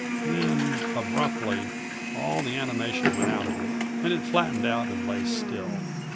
Then, abruptly, all the animation went out of it, and it flattened out and lay still.